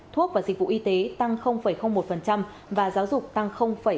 thuốc và dịch vụ y tế tăng một và giáo dục tăng một